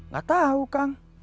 gak tahu kang